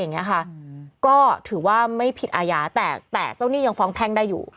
อย่างนี้ค่ะก็ถือว่าไม่ผิดอายาแต่ใต้ต้องมีอย่างฝ้องแพงได้อยู่